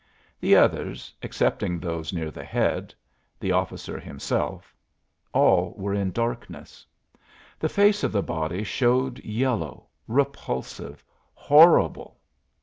The others, excepting those near the head the officer himself all were in darkness. The face of the body showed yellow, repulsive, horrible!